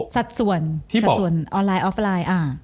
สัดส่วนออนไลน์ออฟไลน์